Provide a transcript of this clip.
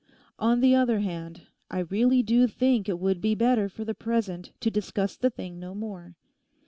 On the other hand, I really do think it would be better for the present to discuss the thing no more.